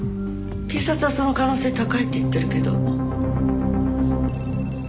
警察はその可能性高いって言ってるけど。